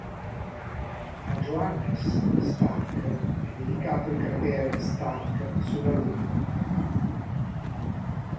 A Johannes Stark è dedicato il cratere Stark sulla Luna.